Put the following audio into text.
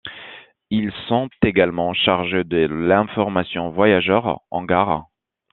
Ils sont également chargés de l'information voyageurs en gare.